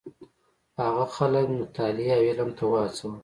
هغه خلک مطالعې او علم ته وهڅول.